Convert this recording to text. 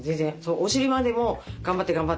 お尻までも頑張って頑張って。